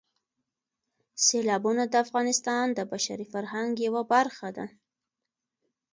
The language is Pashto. سیلابونه د افغانستان د بشري فرهنګ یوه برخه ده.